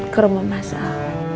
ke rumah masak